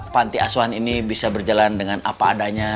panti asuhan ini bisa berjalan dengan apa adanya